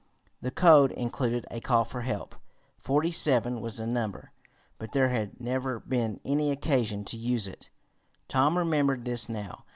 The code included a call for help. Forty seven was the number, but there had never been any occasion to use it. Tom remembered this now.